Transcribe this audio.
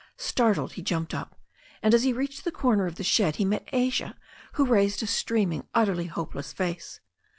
Startled, he jumped up, and as he reached the corner of the shed he met Asia, who raised a stream ing, utterly hopeless face.